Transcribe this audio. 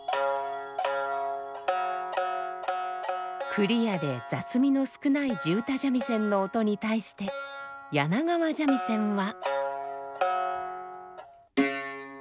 クリアで雑味の少ない地唄三味線の音に対して柳川三味線は。